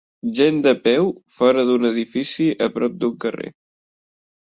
Gent de peu fora d'un edifici a prop d'un carrer.